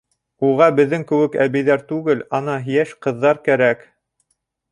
Уға беҙҙең кеүек әбейҙәр түгел, ана, йәш ҡыҙҙар кәрәк!